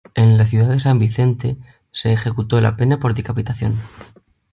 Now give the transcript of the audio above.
En la ciudad de San Vicente se ejecutó la pena por decapitación.